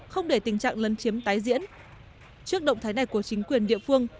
không để tình trạng lấn chiếm tái diễn trước động thái này của chính quyền địa phương